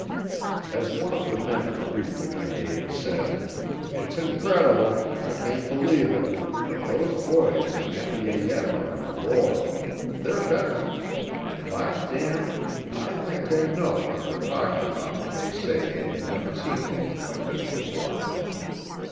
As one of the men at the briefing I gave said, "It's incredible, and I can't believe it, but those boys in FEAF are in a war they're veterans and by damn, I think they know what they're talking about when they say they've never seen anything like this before."